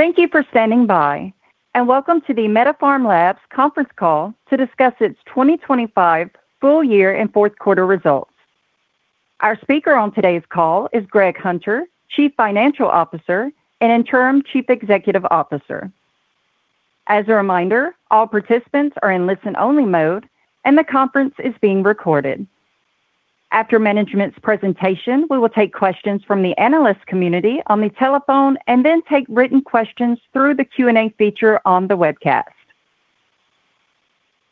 Thank you for standing by, and welcome to the MediPharm Labs Conference Call to discuss its 2025 full-year and fourth quarter results. Our speaker on today's call is Greg Hunter, Chief Financial Officer and Interim Chief Executive Officer. As a reminder, all participants are in listen-only mode and the conference is being recorded. After management's presentation, we will take questions from the analyst community on the telephone and then take written questions through the Q&A feature on the webcast.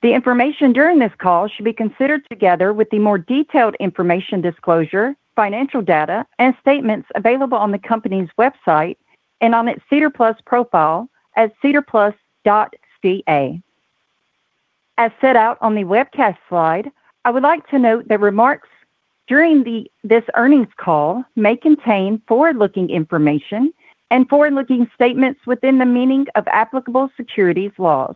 The information during this call should be considered together with the more detailed information disclosure, financial data, and statements available on the company's website and on its SEDAR+ profile at sedarplus.ca. As set out on the webcast slide, I would like to note that remarks during this earnings call may contain forward-looking information and forward-looking statements within the meaning of applicable securities laws.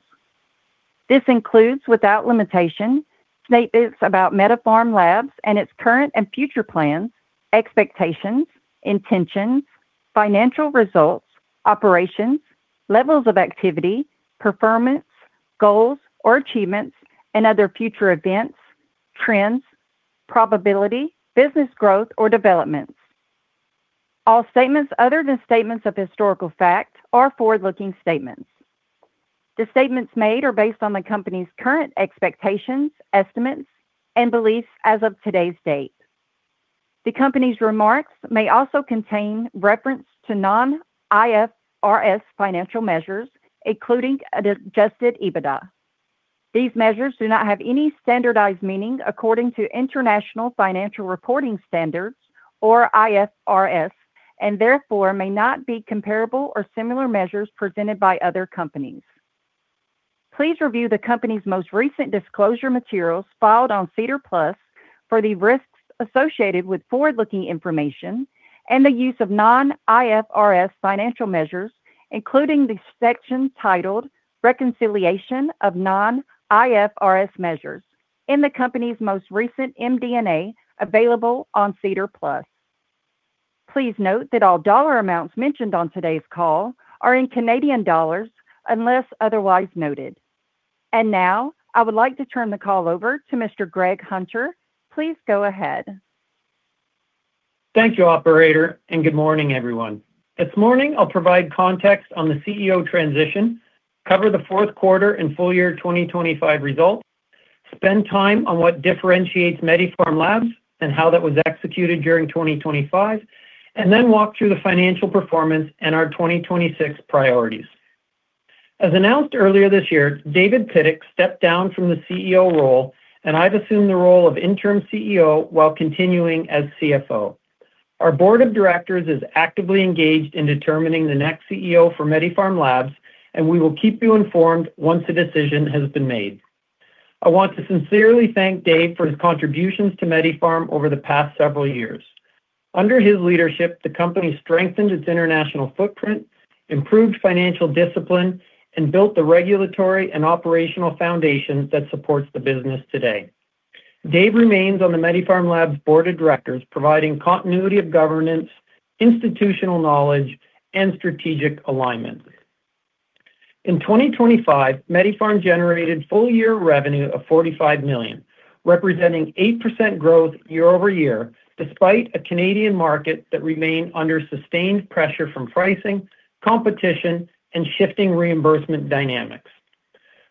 This includes, without limitation, statements about MediPharm Labs and its current and future plans, expectations, intentions, financial results, operations, levels of activity, performance, goals or achievements and other future events, trends, probability, business growth, or developments. All statements other than statements of historical fact are forward-looking statements. The statements made are based on the company's current expectations, estimates, and beliefs as of today's date. The company's remarks may also contain reference to non-IFRS financial measures, including Adjusted EBITDA. These measures do not have any standardized meaning according to International Financial Reporting Standards or IFRS, and therefore may not be comparable or similar measures presented by other companies. Please review the company's most recent disclosure materials filed on SEDAR+ for the risks associated with forward-looking information and the use of non-IFRS financial measures, including the section titled "Reconciliation of Non-IFRS Measures" in the company's most recent MD&A available on SEDAR+. Please note that all dollar amounts mentioned on today's call are in Canadian dollars unless otherwise noted. Now, I would like to turn the call over to Mr. Greg Hunter. Please go ahead. Thank you, operator, and good morning, everyone. This morning, I'll provide context on the CEO transition, cover the fourth quarter and full-year 2025 results, spend time on what differentiates MediPharm Labs, and how that was executed during 2025, and then walk through the financial performance and our 2026 priorities. As announced earlier this year, David Pidduck stepped down from the CEO role, and I've assumed the role of Interim CEO while continuing as CFO. Our board of directors is actively engaged in determining the next CEO for MediPharm Labs, and we will keep you informed once a decision has been made. I want to sincerely thank Dave for his contributions to MediPharm over the past several years. Under his leadership, the company strengthened its international footprint, improved financial discipline, and built the regulatory and operational foundation that supports the business today. Dave remains on the MediPharm Labs board of directors, providing continuity of governance, institutional knowledge, and strategic alignment. In 2025, MediPharm generated full-year revenue of 45 million, representing 8% growth year-over-year, despite a Canadian market that remained under sustained pressure from pricing, competition, and shifting reimbursement dynamics.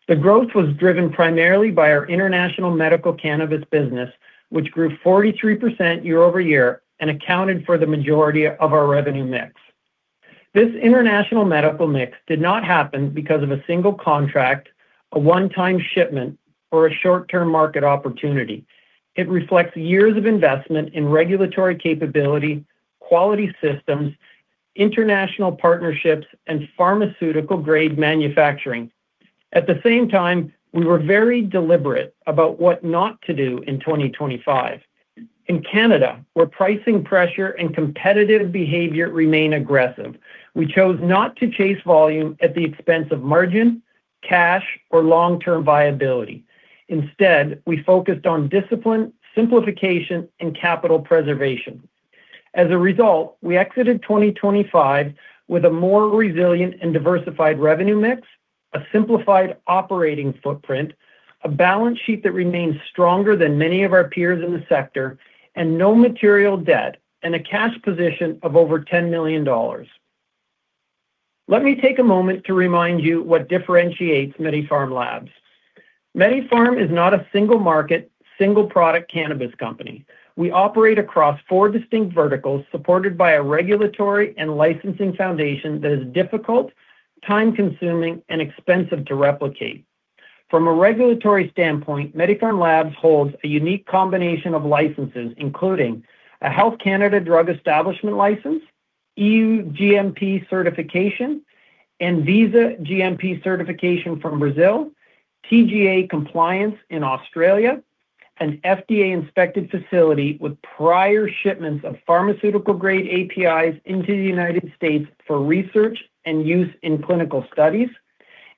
The growth was driven primarily by our international medical cannabis business, which grew 43% year-over-year and accounted for the majority of our revenue mix. This international medical mix did not happen because of a single contract, a one-time shipment, or a short-term market opportunity. It reflects years of investment in regulatory capability, quality systems, international partnerships, and pharmaceutical-grade manufacturing. At the same time, we were very deliberate about what not to do in 2025. In Canada, where pricing pressure and competitive behavior remain aggressive, we chose not to chase volume at the expense of margin, cash, or long-term viability. Instead, we focused on discipline, simplification, and capital preservation. As a result, we exited 2025 with a more resilient and diversified revenue mix, a simplified operating footprint, a balance sheet that remains stronger than many of our peers in the sector, and no material debt, and a cash position of over 10 million dollars. Let me take a moment to remind you what differentiates MediPharm Labs. MediPharm is not a single-market, single-product cannabis company. We operate across four distinct verticals supported by a regulatory and licensing foundation that is difficult, time-consuming, and expensive to replicate. From a regulatory standpoint, MediPharm Labs holds a unique combination of licenses, including a Health Canada Drug Establishment License, EU GMP certification, Anvisa GMP certification from Brazil, TGA compliance in Australia, an FDA-inspected facility with prior shipments of pharmaceutical-grade APIs into the United States for research and use in clinical studies,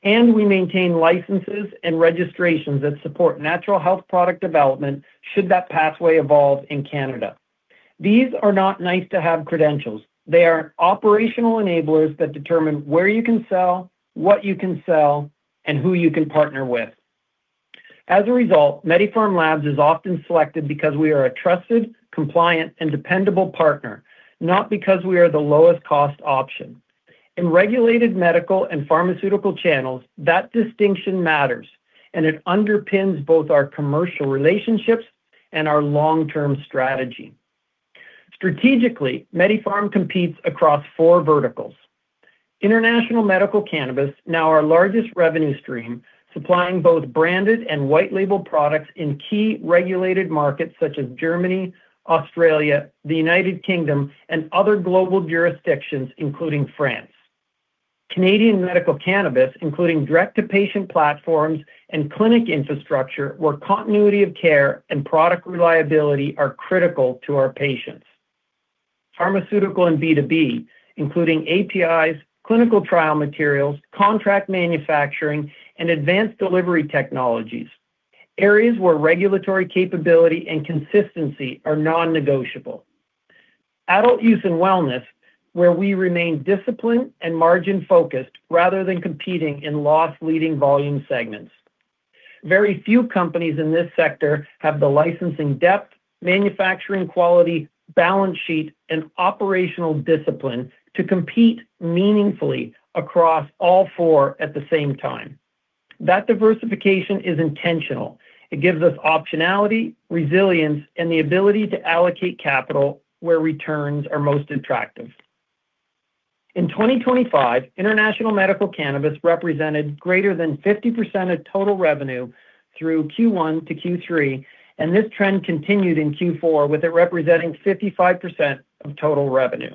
and we maintain licenses and registrations that support natural health product development should that pathway evolve in Canada. These are not nice-to-have credentials. They are operational enablers that determine where you can sell, what you can sell, and who you can partner with. As a result, MediPharm Labs is often selected because we are a trusted, compliant, and dependable partner, not because we are the lowest cost option. In regulated medical and pharmaceutical channels, that distinction matters, and it underpins both our commercial relationships and our long-term strategy. Strategically, MediPharm competes across four verticals. International medical cannabis, now our largest revenue stream, supplying both branded and white label products in key regulated markets such as Germany, Australia, the United Kingdom, and other global jurisdictions, including France. Canadian medical cannabis, including direct-to-patient platforms and clinic infrastructure, where continuity of care and product reliability are critical to our patients. Pharmaceutical and B2B, including APIs, clinical trial materials, contract manufacturing, and advanced delivery technologies, areas where regulatory capability and consistency are non-negotiable. Adult use and wellness, where we remain disciplined and margin-focused rather than competing in loss-leading volume segments. Very few companies in this sector have the licensing depth, manufacturing quality, balance sheet, and operational discipline to compete meaningfully across all four at the same time. That diversification is intentional. It gives us optionality, resilience, and the ability to allocate capital where returns are most attractive. In 2025, international medical cannabis represented greater than 50% of total revenue through Q1 to Q3, and this trend continued in Q4, with it representing 55% of total revenue.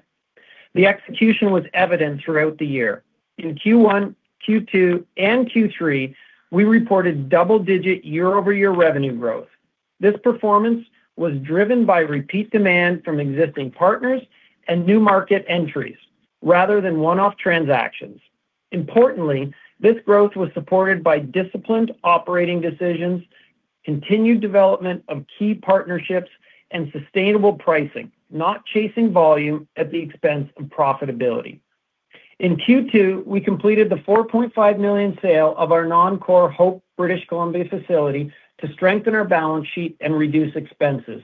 The execution was evident throughout the year. In Q1, Q2, and Q3, we reported double-digit year-over-year revenue growth. This performance was driven by repeat demand from existing partners and new market entries rather than one-off transactions. Importantly, this growth was supported by disciplined operating decisions, continued development of key partnerships, and sustainable pricing, not chasing volume at the expense of profitability. In Q2, we completed the 4.5 million sale of our non-core Hope, British Columbia facility to strengthen our balance sheet and reduce expenses.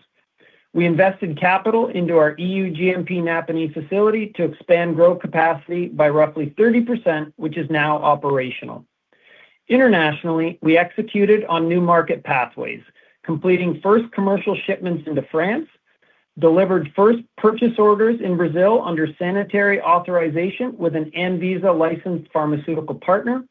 We invested capital into our EU GMP Napanee facility to expand growth capacity by roughly 30%, which is now operational. Internationally, we executed on new market pathways, completing first commercial shipments into France, delivered first purchase orders in Brazil under sanitary authorization with an Anvisa licensed pharmaceutical partner,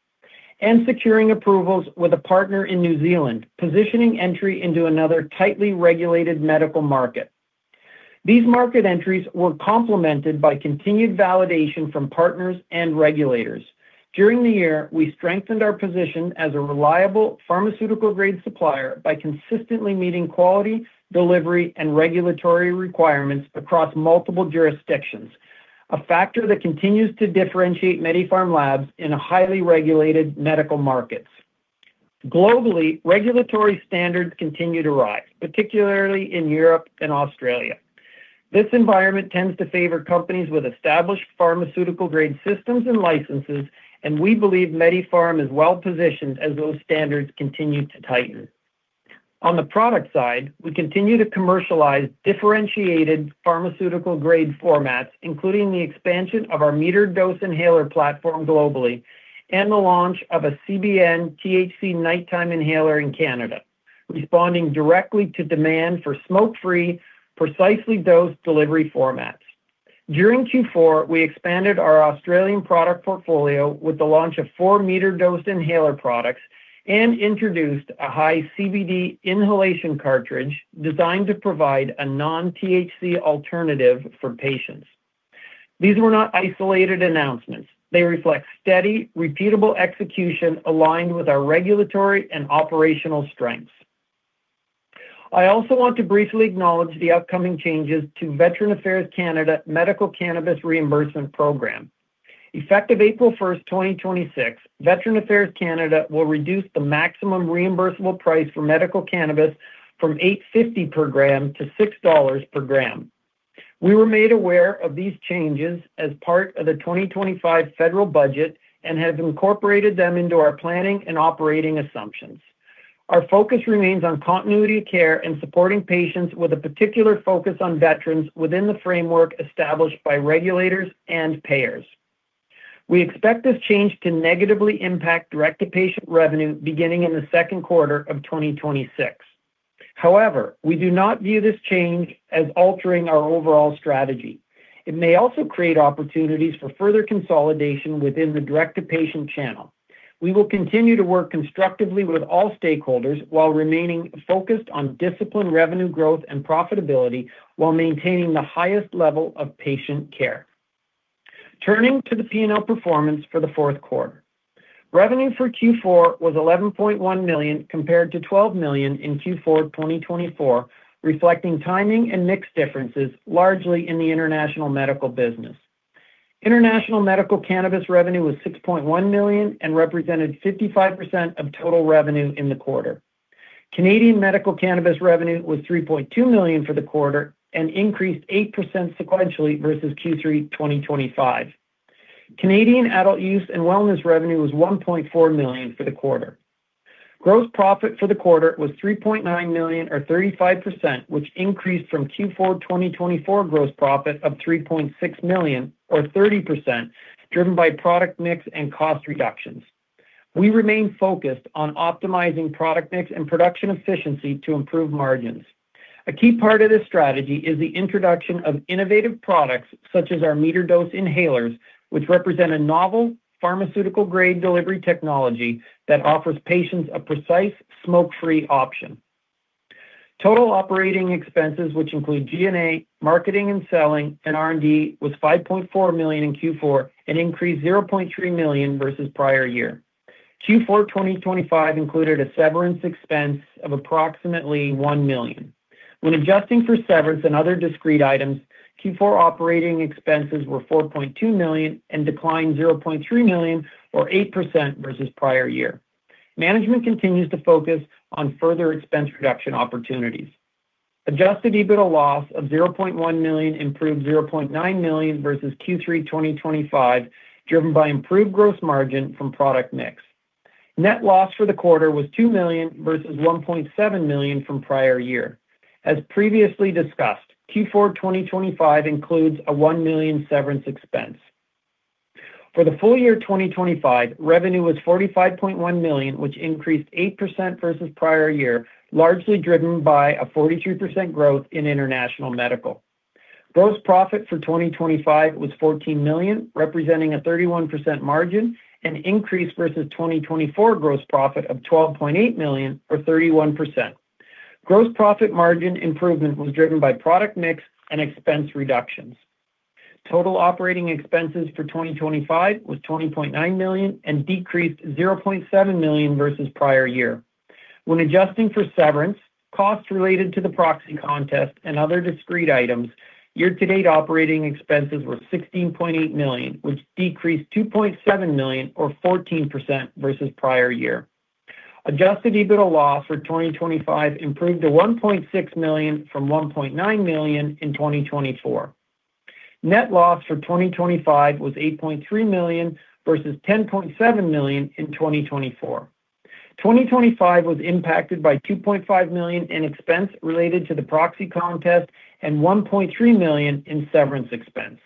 and securing approvals with a partner in New Zealand, positioning entry into another tightly regulated medical market. These market entries were complemented by continued validation from partners and regulators. During the year, we strengthened our position as a reliable pharmaceutical grade supplier by consistently meeting quality, delivery, and regulatory requirements across multiple jurisdictions, a factor that continues to differentiate MediPharm Labs in highly regulated medical markets. Globally, regulatory standards continue to rise, particularly in Europe and Australia. This environment tends to favor companies with established pharmaceutical grade systems and licenses, and we believe MediPharm is well-positioned as those standards continue to tighten. On the product side, we continue to commercialize differentiated pharmaceutical grade formats, including the expansion of our metered dose inhaler platform globally and the launch of a CBN THC nighttime inhaler in Canada, responding directly to demand for smoke-free, precisely dosed delivery formats. During Q4, we expanded our Australian product portfolio with the launch of four metered dose inhaler products and introduced a high CBD inhalation cartridge designed to provide a non-THC alternative for patients. These were not isolated announcements. They reflect steady, repeatable execution aligned with our regulatory and operational strengths. I also want to briefly acknowledge the upcoming changes to Veterans Affairs Canada's Reimbursement Policy for cannabis for Medical Purposes. Effective April first, 2026, Veterans Affairs Canada will reduce the maximum reimbursable price for medical cannabis from 8.50/g to 6 dollars/g. We were made aware of these changes as part of the 2025 federal budget and have incorporated them into our planning and operating assumptions. Our focus remains on continuity of care and supporting patients with a particular focus on veterans within the framework established by regulators and payers. We expect this change to negatively impact direct-to-patient revenue beginning in the second quarter of 2026. However, we do not view this change as altering our overall strategy. It may also create opportunities for further consolidation within the direct-to-patient channel. We will continue to work constructively with all stakeholders while remaining focused on disciplined revenue growth and profitability while maintaining the highest level of patient care. Turning to the P&L performance for the fourth quarter. Revenue for Q4 was 11.1 million compared to 12 million in Q4 2024, reflecting timing and mix differences largely in the international medical business. International medical cannabis revenue was 6.1 million and represented 55% of total revenue in the quarter. Canadian medical cannabis revenue was 3.2 million for the quarter and increased 8% sequentially versus Q3 2025. Canadian adult use and wellness revenue was 1.4 million for the quarter. Gross profit for the quarter was 3.9 million, or 35%, which increased from Q4 2024 gross profit of 3.6 million, or 30%, driven by product mix and cost reductions. We remain focused on optimizing product mix and production efficiency to improve margins. A key part of this strategy is the introduction of innovative products such as our metered dose inhalers, which represent a novel pharmaceutical-grade delivery technology that offers patients a precise smoke-free option. Total operating expenses, which include G&A, marketing and selling, and R&D, was 5.4 million in Q4 and increased 0.3 million versus prior year. Q4 2025 included a severance expense of approximately 1 million. When adjusting for severance and other discrete items, Q4 operating expenses were 4.2 million and declined 0.3 million, or 8% versus prior year. Management continues to focus on further expense reduction opportunities. Adjusted EBITDA loss of 0.1 million improved 0.9 million versus Q3 2025, driven by improved gross margin from product mix. Net loss for the quarter was 2 million versus 1.7 million from prior year. As previously discussed, Q4 2025 includes a 1 million severance expense. For the full-year 2025, revenue was 45.1 million, which increased 8% versus prior year, largely driven by a 42% growth in international medical. Gross profit for 2025 was 14 million, representing a 31% margin, an increase versus 2024 gross profit of 12.8 million, or 31%. Gross profit margin improvement was driven by product mix and expense reductions. Total operating expenses for 2025 was 20.9 million and decreased 0.7 million versus prior year. When adjusting for severance, costs related to the proxy contest and other discrete items, year-to-date operating expenses were 16.8 million, which decreased 2.7 million, or 14% versus prior year. Adjusted EBITDA loss for 2025 improved to 1.6 million from 1.9 million in 2024. Net loss for 2025 was 8.3 million versus 10.7 million in 2024. 2025 was impacted by 2.5 million in expense related to the proxy contest and 1.3 million in severance expense.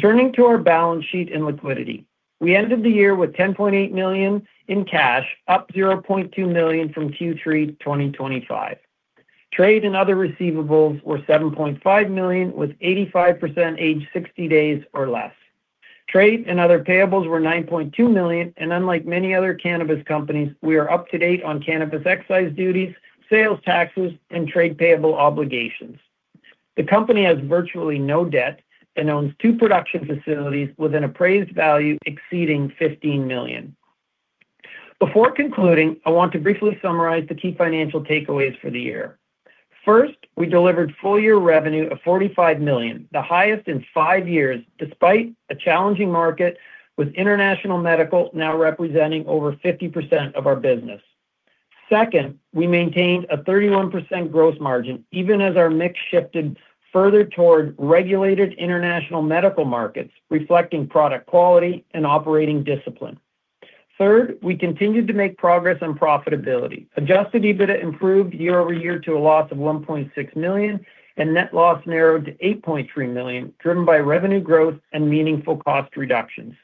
Turning to our balance sheet and liquidity. We ended the year with 10.8 million in cash, up 0.2 million from Q3 2025. Trade and other receivables were 7.5 million, with 85% aged 60 days or less. Trade and other payables were 9.2 million, and unlike many other cannabis companies, we are up to date on cannabis excise duties, sales taxes, and trade payable obligations. The company has virtually no debt and owns two production facilities with an appraised value exceeding 15 million. Before concluding, I want to briefly summarize the key financial takeaways for the year. First, we delivered full-year revenue of 45 million, the highest in 5 years, despite a challenging market with international medical now representing over 50% of our business. Second, we maintained a 31% gross margin, even as our mix shifted further toward regulated international medical markets, reflecting product quality and operating discipline. Third, we continued to make progress on profitability. Adjusted EBITDA improved year over year to a loss of 1.6 million, and net loss narrowed to 8.3 million, driven by revenue growth and meaningful cost reductions.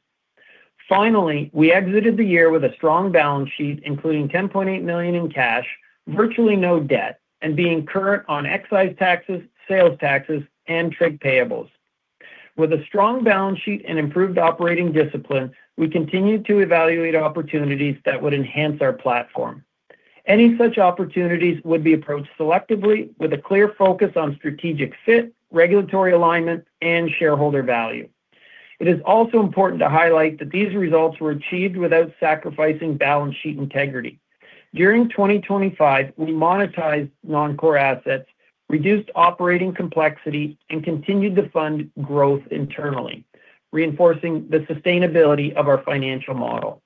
Finally, we exited the year with a strong balance sheet, including 10.8 million in cash, virtually no debt, and being current on excise taxes, sales taxes, and trade payables. With a strong balance sheet and improved operating discipline, we continue to evaluate opportunities that would enhance our platform. Any such opportunities would be approached selectively with a clear focus on strategic fit, regulatory alignment, and shareholder value. It is also important to highlight that these results were achieved without sacrificing balance sheet integrity. During 2025, we monetized non-core assets, reduced operating complexity, and continued to fund growth internally, reinforcing the sustainability of our financial model.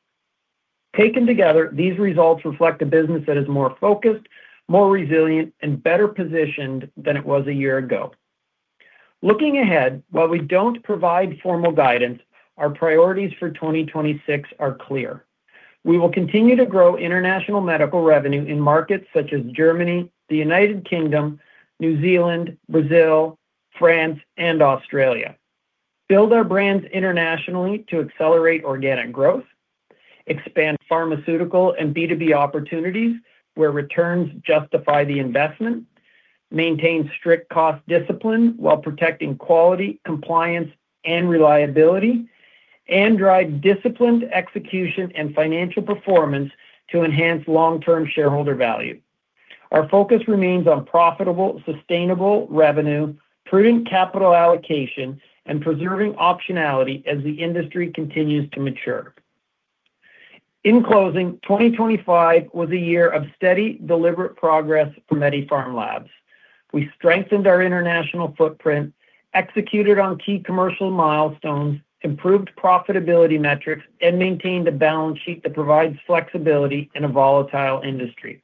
Taken together, these results reflect a business that is more focused, more resilient, and better positioned than it was a year ago. Looking ahead, while we don't provide formal guidance, our priorities for 2026 are clear. We will continue to grow international medical revenue in markets such as Germany, the United Kingdom, New Zealand, Brazil, France, and Australia. Build our brands internationally to accelerate organic growth, expand pharmaceutical and B2B opportunities where returns justify the investment, maintain strict cost discipline while protecting quality, compliance, and reliability, and drive disciplined execution and financial performance to enhance long-term shareholder value. Our focus remains on profitable, sustainable revenue, prudent capital allocation, and preserving optionality as the industry continues to mature. In closing, 2025 was a year of steady, deliberate progress for MediPharm Labs. We strengthened our international footprint, executed on key commercial milestones, improved profitability metrics, and maintained a balance sheet that provides flexibility in a volatile industry.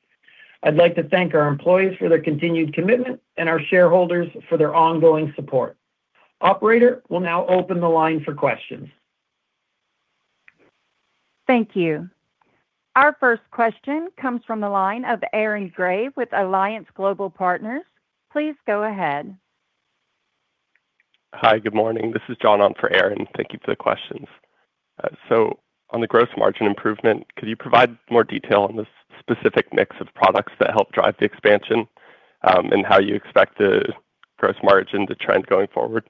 I'd like to thank our employees for their continued commitment and our shareholders for their ongoing support. Operator, we'll now open the line for questions. Thank you. Our first question comes from the line of Aaron Grey with Alliance Global Partners. Please go ahead. Hi, good morning. This is John on for Aaron Grey. Thank you for the questions. On the gross margin improvement, could you provide more detail on the specific mix of products that help drive the expansion, and how you expect the gross margin to trend going forward?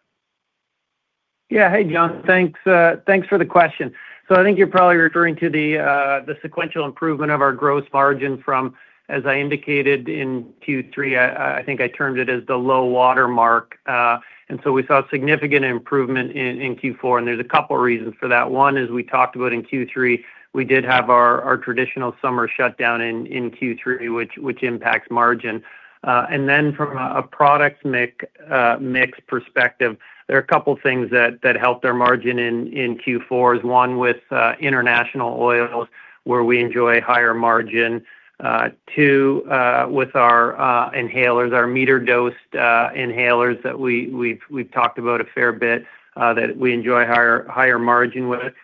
Yeah. Hey, John. Thanks for the question. I think you're probably referring to the sequential improvement of our gross margin from, as I indicated in Q3, I think I termed it as the low watermark. We saw significant improvement in Q4, and there's a couple reasons for that. One is we talked about in Q3. We did have our traditional summer shutdown in Q3, which impacts margin. From a product mix perspective, there are a couple things that helped our margin in Q4. One is with international oils where we enjoy higher margin. Two, with our inhalers, our metered dose inhalers that we've talked about a fair bit, that we enjoy higher margin with.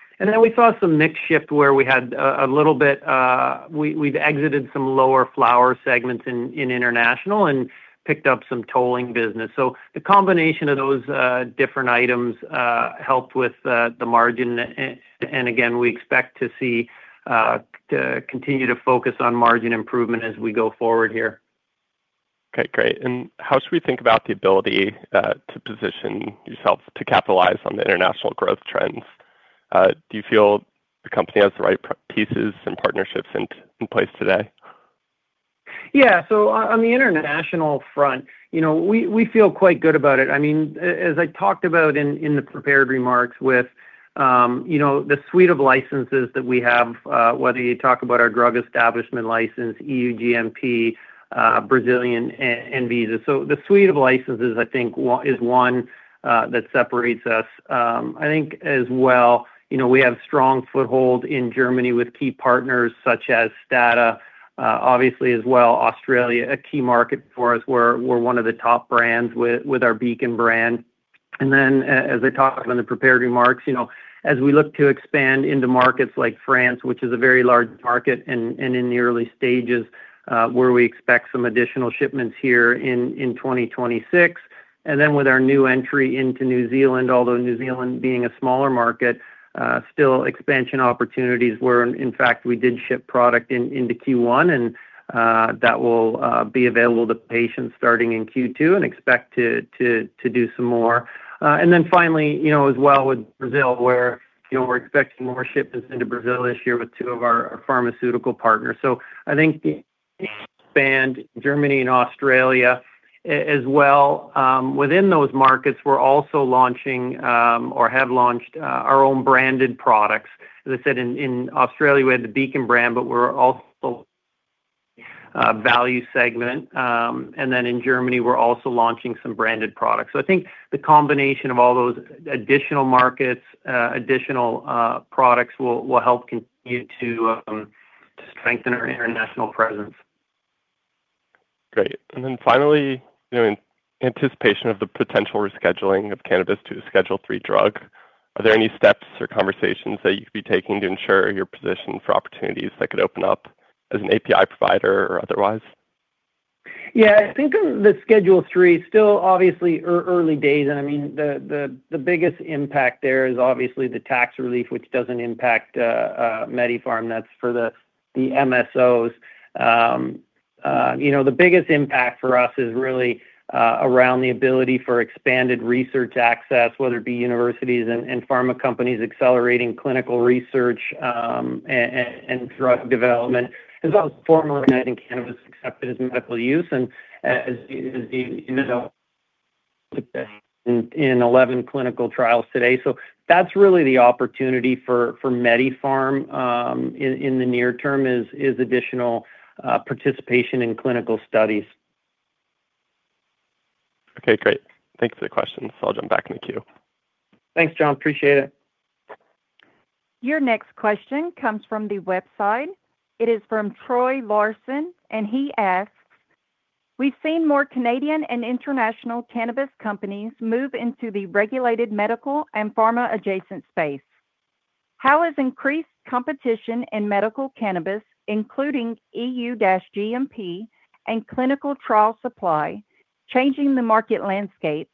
We saw some mix shift where we had a little bit, we've exited some lower flower segments in international and picked up some tolling business. The combination of those different items helped with the margin. Again, we expect to continue to focus on margin improvement as we go forward here. Okay, great. How should we think about the ability to position yourself to capitalize on the international growth trends? Do you feel the company has the right pieces and partnerships in place today? On the international front, you know, we feel quite good about it. I mean, as I talked about in the prepared remarks with, you know, the suite of licenses that we have, whether you talk about our Drug Establishment Licence, EU GMP, Brazilian Anvisa. The suite of licenses, I think, is one that separates us. I think as well, you know, we have strong foothold in Germany with key partners such as STADA. Obviously as well Australia, a key market for us, we're one of the top brands with our Beacon brand. As I talked about in the prepared remarks, you know, as we look to expand into markets like France, which is a very large market and in the early stages, where we expect some additional shipments here in 2026. With our new entry into New Zealand, although New Zealand being a smaller market, still expansion opportunities where in fact we did ship product into Q1, and that will be available to patients starting in Q2 and expect to do some more. Finally, you know, as well with Brazil, where, you know, we're expecting more shipments into Brazil this year with two of our pharmaceutical partners. I think expand Germany and Australia as well. Within those markets, we're also launching or have launched our own branded products. As I said in Australia, we had the Beacon brand, but we're also value segment. Then in Germany, we're also launching some branded products. I think the combination of all those additional markets, additional products will help continue to strengthen our international presence. Great. Finally, you know, in anticipation of the potential rescheduling of cannabis to a Schedule III drug, are there any steps or conversations that you could be taking to ensure your position for opportunities that could open up as an API provider or otherwise? Yeah. I think the Schedule III is still obviously early days. I mean, the biggest impact there is obviously the tax relief, which doesn't impact MediPharm. That's for the MSOs. You know, the biggest impact for us is really around the ability for expanded research access, whether it be universities and pharma companies accelerating clinical research, and drug development. As I was formerly adding cannabis accepted as medical use and as in 11 clinical trials today. That's really the opportunity for MediPharm in the near term is additional participation in clinical studies. Okay, great. Thanks for the questions. I'll jump back in the queue. Thanks, John. I appreciate it. Your next question comes from the website. It is from Troy Larson, and he asks, "We've seen more Canadian and international cannabis companies move into the regulated medical and pharma-adjacent space. How has increased competition in medical cannabis, including EU GMP and clinical trial supply, changing the market landscape?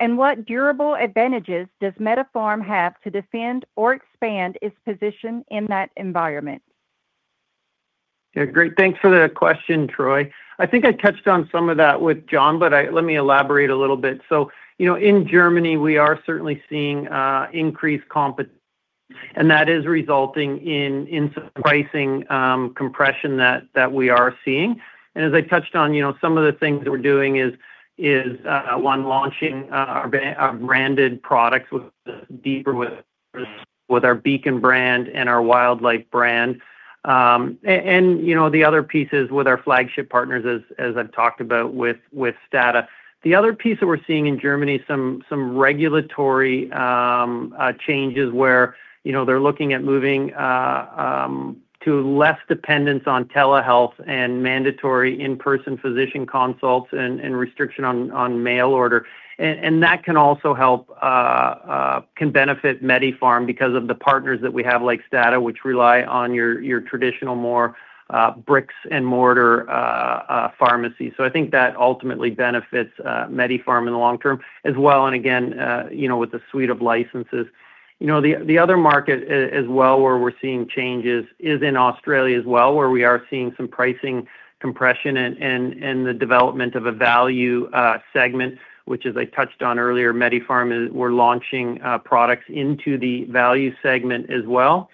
And what durable advantages does MediPharm have to defend or expand its position in that environment? Yeah, great. Thanks for the question, Troy. I think I touched on some of that with John, but let me elaborate a little bit. You know, in Germany, we are certainly seeing increased competition. That is resulting in some pricing compression that we are seeing. As I touched on, you know, some of the things that we're doing is launching our branded products with our Beacon brand and our Wildlife brand. You know, the other pieces with our flagship partners as I've talked about with STADA. The other piece that we're seeing in Germany, regulatory changes where, you know, they're looking at moving to less dependence on telehealth and mandatory in-person physician consults and restriction on mail order. That can benefit MediPharm because of the partners that we have, like STADA, which rely on our traditional brick-and-mortar pharmacy. I think that ultimately benefits MediPharm in the long term as well. Again, you know, with the suite of licenses. You know, the other market as well where we're seeing changes is in Australia as well, where we are seeing some pricing compression and the development of a value segment, which as I touched on earlier, we're launching products into the value segment as well.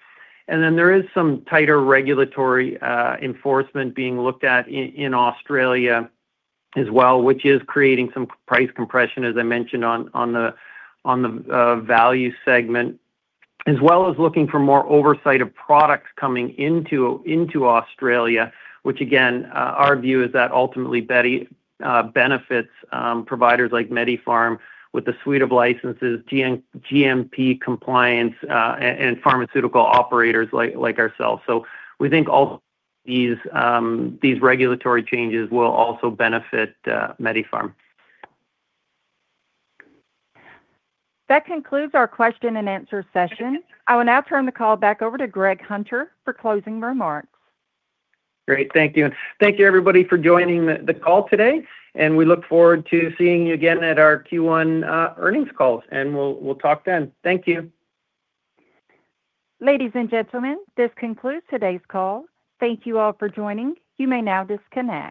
There is some tighter regulatory enforcement being looked at in Australia as well, which is creating some price compression, as I mentioned, on the value segment, as well as looking for more oversight of products coming into Australia, which again, our view is that ultimately benefits providers like MediPharm with a suite of licenses, and GMP compliance, and pharmaceutical operators like ourselves. We think all these regulatory changes will also benefit MediPharm. That concludes our question and answer session. I will now turn the call back over to Greg Hunter for closing remarks. Great. Thank you. Thank you, everybody, for joining the call today, and we look forward to seeing you again at our Q1 earnings calls. We'll talk then. Thank you. Ladies and gentlemen, this concludes today's call. Thank you all for joining. You may now disconnect.